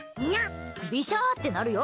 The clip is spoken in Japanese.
ビシャーってなるよ。